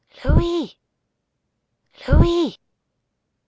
"Louis! Louis!"